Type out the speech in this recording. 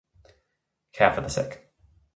Care for the sick.